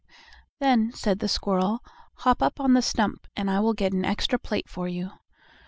"Then," said the squirrel, "hop up on the stump, and I will get an extra plate for you."